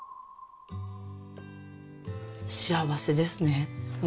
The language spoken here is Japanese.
幸せですね。